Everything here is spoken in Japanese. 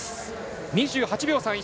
２８秒３１。